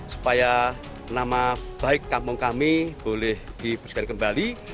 supaya nama baik kampung kami boleh dibersihkan kembali